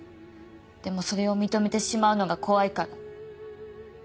でもそれを認めてしまうのが怖いから。